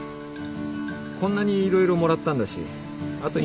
こんなに色々もらったんだしあと１軒行っとくか。